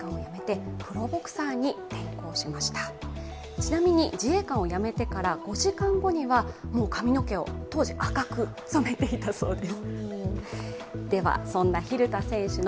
ちなみに、自衛官を辞めて５時間後にはもう髪の毛を当時、赤く染めていたそうです。